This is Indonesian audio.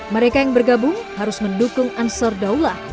mereka yang bergabung harus mendukung ansar daulat